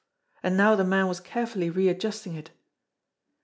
And now the man was carefully readjusting it.